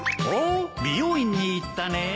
おっ美容院に行ったね。